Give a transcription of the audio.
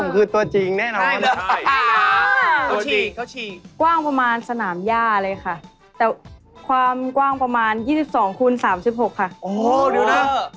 ขึ้นที่ไหนตัวจริงอันนี้ตัวจริงโอ้ยคือ